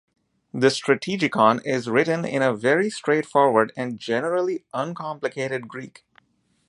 The Strategikon is written in a very straightforward and generally uncomplicated Greek.